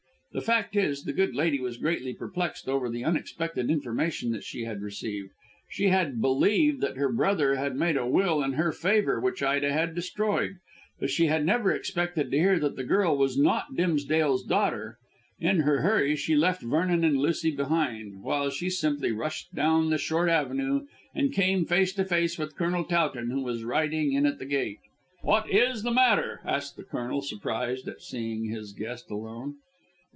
The fact is, the good lady was greatly perplexed over the unexpected information that she had received. She had believed that her brother had made a will in her favour which Ida had destroyed; but she had never expected to hear that the girl was not Dimsdale's daughter. In her hurry she left Vernon and Lucy behind, while she simply rushed down the short avenue and came face to face with Colonel Towton, who was riding in at the gate. "What is the matter?" asked the Colonel surprised at seeing his guest alone.